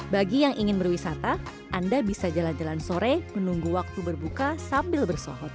bagi yang ingin berwisata anda bisa jalan jalan sore menunggu waktu berbuka sambil bersohot